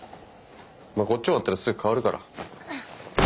まあこっち終わったらすぐ代わるから。